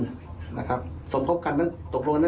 สมพบกันตกลงกันตั้งแต่๒คนขึ้นไปเพื่อทำการฝอกเงิน